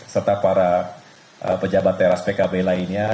serta para pejabat teras pkb lainnya